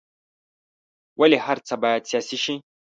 ولې هر څه باید سیاسي شي.